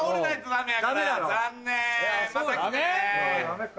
ダメか。